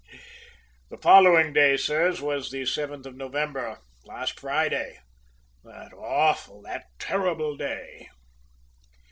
"The following day, sirs, was the seventh of November, last Friday, that awful, that terrible day!